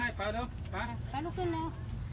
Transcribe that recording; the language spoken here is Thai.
สวัสดีครับคุณพลาด